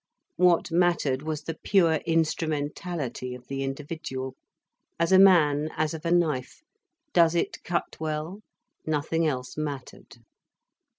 What mattered was the pure instrumentality of the individual. As a man as of a knife: does it cut well? Nothing else mattered.